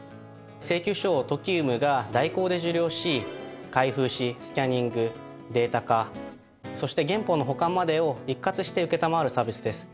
請求書をＴＯＫＩＵＭが代行で受領し開封しスキャニングデータ化そして原本の保管までを一括して承るサービスです。